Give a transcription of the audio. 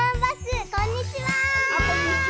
あこんにちは！